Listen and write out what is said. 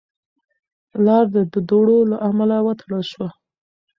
لار د دوړو له امله وتړل شوه.